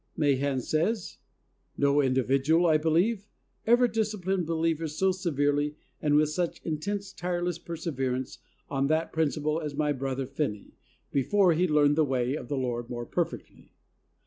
Mahan says: "No indi vidual, I believe, ever disciplined believers £o severely and with such intense and tireless perseverance, on that principle as my brother Finney, before he learned the way of the Lord more perfectly.